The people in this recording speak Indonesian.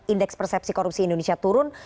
indeks persepsi korupsi indonesia turun